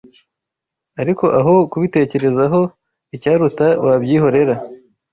Ariko aho kubitekerezaho icyaruta wabyihorera